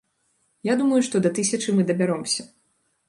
Я думаю, што да тысячы мы дабяромся.